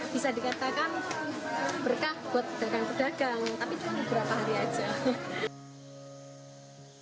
bisa dikatakan berkah buat pedagang pedagang tapi cuma beberapa hari saja